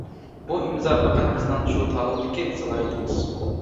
بۇ ئىمزا پەقەت بىزنىڭ شۇ تالوندىكى سالاھىيىتىمىز.